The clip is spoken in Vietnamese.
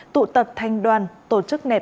tụ tập thanh đoàn tổ chức nẹp